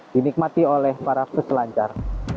dinikmati oleh para peselancar